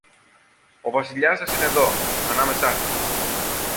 Ο Βασιλιάς σας είναι δω, ανάμεσά σας